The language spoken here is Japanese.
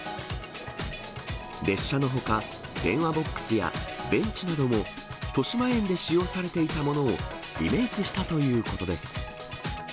列車のほか、電話ボックスやベンチなども、としまえんで使用されていたものをリメークしたということです。